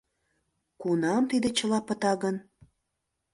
Кунам тиде чыла пыта гын!..